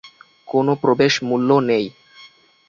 কোন প্রবেশ মূল্য নেই।